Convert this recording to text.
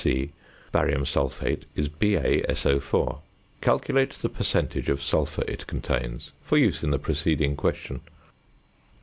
(c) Barium sulphate is BaSO_. Calculate the percentage of sulphur it contains, for use in the preceding question.